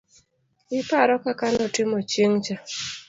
iparo kaka notimo chieng' cha?,